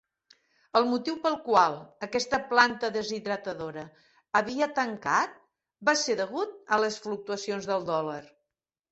El motiu pel qual aquesta planta deshidratadora havia tancat va ser degut a les fluctuacions del dòlar.